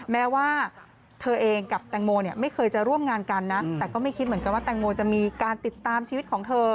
แม้ว่าเธอเองกับแตงโมเนี่ยไม่เคยจะร่วมงานกันนะแต่ก็ไม่คิดเหมือนกันว่าแตงโมจะมีการติดตามชีวิตของเธอ